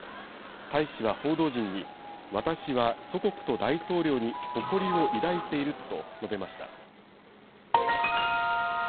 大使は報道陣に私は祖国と大統領に誇りを抱いていると述べました。